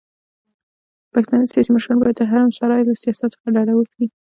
پښتانه سياسي مشران بايد د حرم سرای له سياست څخه ډډه وکړي.